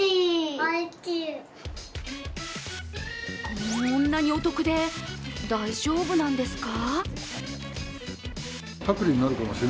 こんなにお得で大丈夫なんですか？